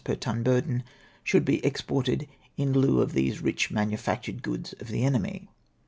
per ton burden, should be exported in heu of these rich manufactured goods of the enemy.